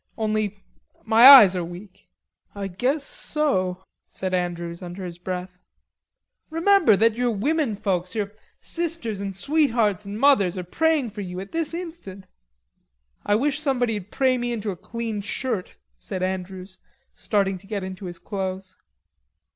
Only my eyes are weak." "I guess so," said Andrews under his breath. "Remember that your women folks, your sisters and sweethearts and mothers, are praying for you at this instant." "I wish somebody'd pray me into a clean shirt," said Andrews, starting to get into his clothes.